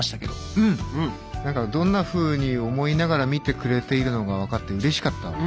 うん何かどんなふうに思いながら見てくれているのが分かってうれしかったわ。